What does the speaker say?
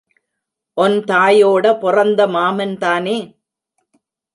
One தாயோட பொறந்த மாமன்தானே?